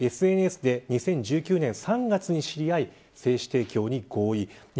２人はＳＮＳで２０１９年３月に知り合い精子提供に合意。